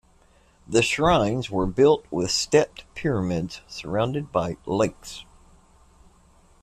The shrines were built with stepped pyramids surrounded by lakes.